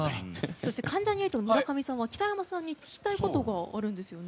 そして関ジャニ∞の村上さんは北山さんに聞きたいことがあるんですよね。